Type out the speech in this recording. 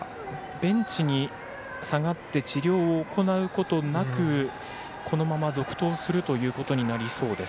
ベンチに下がって治療を行うことなく、このまま続投するということになりそうです。